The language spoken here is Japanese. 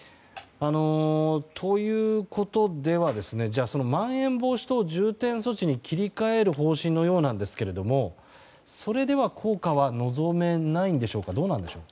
ということではまん延防止等重点措置に切り替える方針のようなんですけれどもそれでは効果は望めないんでしょうか。